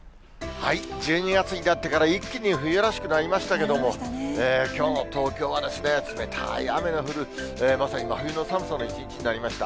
１２月になってから一気に冬らしくなりましたけれども、きょうの東京は、冷たい雨の降る、まさに真冬の寒さの一日になりました。